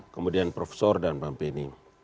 kemudian profesor dan bang penny